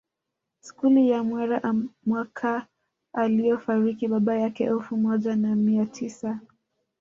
Skuli ya Mwera mwaka aliofariki baba yake elfu moja na mia tisa